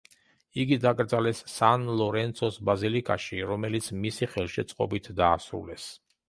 იგი დაკრძალეს სან ლორენცოს ბაზილიკაში, რომელიც მისი ხელშეწყობით დაასრულეს.